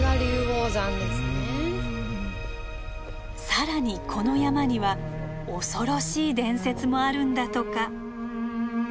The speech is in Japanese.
更にこの山には恐ろしい伝説もあるんだとか。